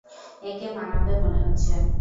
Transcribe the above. একে মানাবে মনে হচ্ছে।